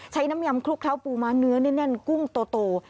น้ำยำคลุกเคล้าปูม้าเนื้อแน่นกุ้งโต